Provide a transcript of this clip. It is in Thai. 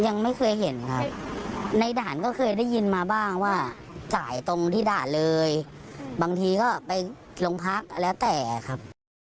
ยังไม่เคยเห็นครับในด่านก็เคยได้ยินมาบ้างว่าจ่ายตรงที่ด่านเลยบางทีก็ไปโรงพักแล้วแต่ครับ